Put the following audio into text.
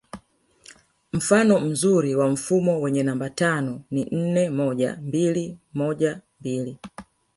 Mfano mzuri wa mfumo wenye namba tano ni nne moja mbili moja mbili